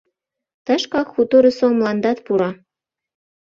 Тышкак хуторысо мландат пура!